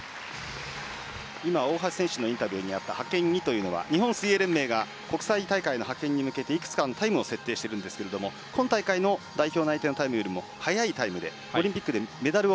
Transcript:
今、大橋選手のインタビューにあった派遣２というのは日本水泳連盟が国際大会の派遣に向けていくつかのタイムを設定しているんですけど今大会の代表内定より速いタイムでオリンピックでメダルを。